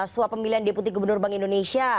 suap pemilihan deputi gubernur bank indonesia